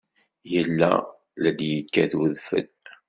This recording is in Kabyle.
Yella la d-yekkat wedfel.